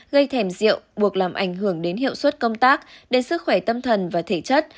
gây thèm rượu buộc làm ảnh hưởng đến hiệu suất công tác đến sức khỏe tâm thần và thể chất